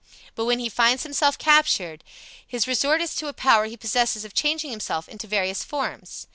But when he finds himself captured, his resort is to a power he possesses of changing himself into various forms.